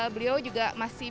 beliau juga masih